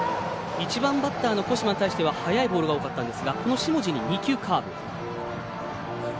１番バッターの後間に対しては速いボールが多かったんですが、下地には２球カーブ。